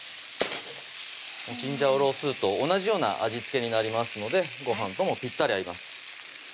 チンジャオロースーと同じような味付けになりますのでごはんともピッタリ合います